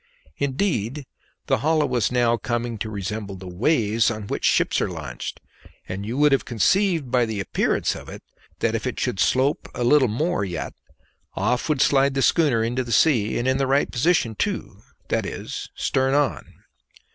Indeed, the hollow was now coming to resemble the "ways" on which ships are launched; and you would have conceived by the appearance of it that if it should slope a little more yet, off would slide the schooner for the sea, and in the right posture too that is, stern on.